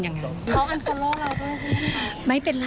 เขากันฟันเล่าเราก็ไม่เป็นไร